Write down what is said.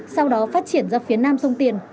sau đó phát triển ra phía nam sông tiền